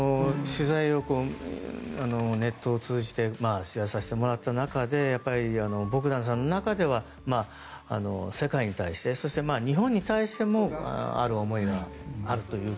ネットを通じて取材させてもらった中でボグダンさんの中では世界に対して、日本に対してもある思いがあると。